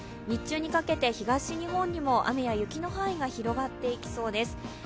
日中にかけて東日本にも雨や雪の範囲が広がってきそうです。